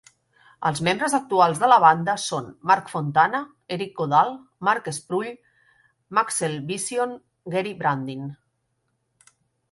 Els membres actuals de la banda són: Mark Fontana, Erik Godal, Mark Sproull, Maxwellvision, Gary Brandin.